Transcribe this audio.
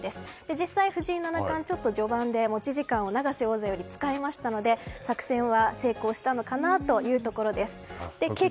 実際、藤井七冠序盤で持ち時間を永瀬王座より使いましたので作戦は成功したのかなというところです。